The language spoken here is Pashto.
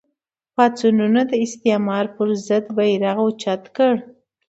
پاڅونونو د استعمار پر ضد بېرغ اوچت کړ